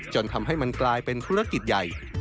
จนทำให้มันกลายเป็นธุรกิจใหญ่